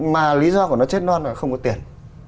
mà lý do của nó chết non là không có tiền